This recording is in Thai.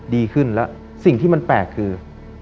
ดีขึ้นแล้วสิ่งที่มันแปลกคือ